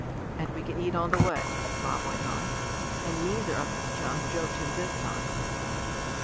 "And we can eat on the way," Bob went on; and neither of his chums joked him this time.